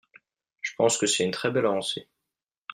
Je pense que c’est une très belle avancée.